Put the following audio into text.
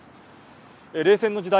冷戦の時代